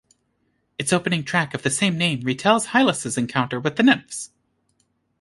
Its opening track of the same name retells Hylas' encounter with the nymphs.